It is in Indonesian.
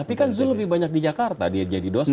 tapi kan zul lebih banyak di jakarta dia jadi dosen